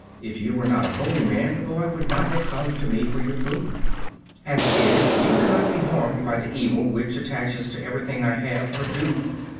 If you were not a holy man the boy would not have come to me for your food. As it is, you cannot be harmed by the evil which attaches to everything I have or do.